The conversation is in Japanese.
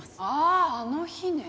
あああの日ね。